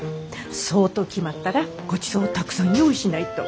そうと決まったらごちそうをたくさん用意しないと。